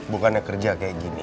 bukannya kerja kayak gini